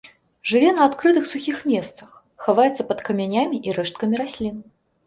Жыве на адкрытых сухіх месцах, хаваецца пад камянямі і рэшткамі раслін.